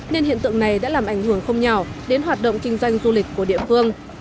nên hiện tượng này đã làm ảnh hưởng không nhỏ đến hoạt động kinh doanh du lịch của địa phương